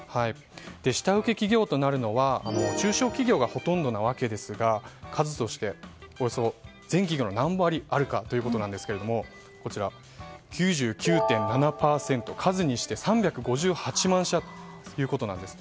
下請け企業となるのは中小企業がほとんどですが数として、およそ全企業の何割あるかということですが９９．７％、数にして３５８万社ということなんです。